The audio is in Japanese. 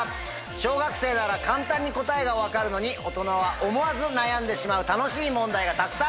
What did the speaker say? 小学生なら簡単に答えが分かるのに大人は思わず悩んでしまう楽しい問題がたくさん。